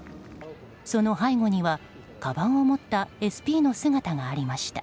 その背後には、かばんを持ったＳＰの姿がありました。